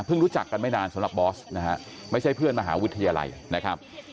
รู้จักกันไม่นานสำหรับบอสนะฮะไม่ใช่เพื่อนมหาวิทยาลัยนะครับ